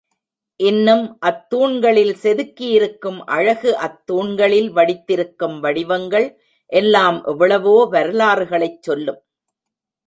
இன்னும் அத்தூண்களில் செதுக்கியிருக்கும் அழகு, அத்தூண்களில் வடித்திருக்கும் வடிவங்கள் எல்லாம் எவ்வளவோ வரலாறுகளைச் சொல்லும்.